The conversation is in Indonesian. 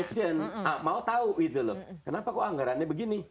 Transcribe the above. nah action mau tahu kenapa kok anggarannya begini